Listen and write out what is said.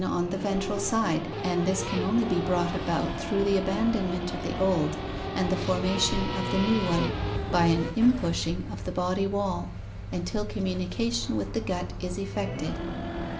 on the ventral side and this can only be brought about through the abandonment of the old and the formation of the new one by an inpushing of the body wall at st until communication with the gut is effected.